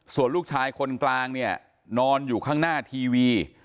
ส่วนลูกชายคนกลางเนี่ยนอนอยู่ข้างหน้าทีวี